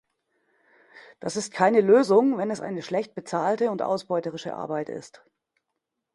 Das ist keine Lösung, wenn es eine schlecht bezahlte und ausbeuterische Arbeit ist.